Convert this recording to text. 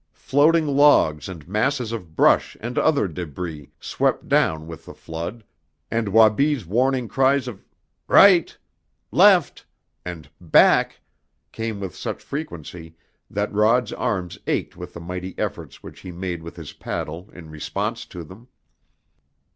Floating logs and masses of brush and other debris swept down with the flood, and Wabi's warning cries of "right," "left," and "back" came with such frequency that Rod's arms ached with the mighty efforts which he made with his paddle in response to them.